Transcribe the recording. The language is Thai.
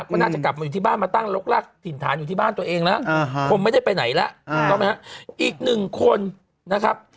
ก็น่าจะกลับมาอยู่ที่บ้านมาตั้งรกรากถิ่นฐานอยู่ที่บ้านตัวเองแล้วคงไม่ได้ไปไหนแล้วอีกหนึ่งคนนะครับ